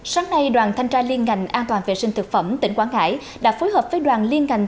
sáng nay đoàn thanh tra liên ngành an toàn vệ sinh thực phẩm tỉnh quảng ngãi đã phối hợp với đoàn liên ngành